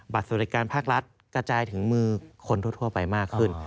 สวัสดิการภาครัฐกระจายถึงมือคนทั่วไปมากขึ้น